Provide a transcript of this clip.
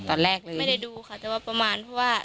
ไม่ได้ดูค่ะแต่ประมาณพอว่า